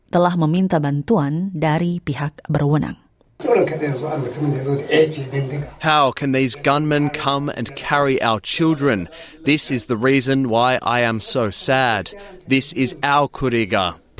telah meminta bantuan dari pihak berwenang